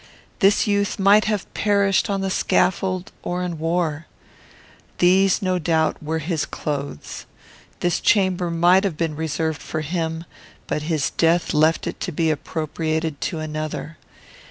This youth might have perished on the scaffold or in war. These, no doubt, were his clothes. This chamber might have been reserved for him, but his death left it to be appropriated to another.